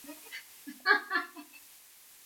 alafu ulikomu unakuta elfu moja mia nane na hamsini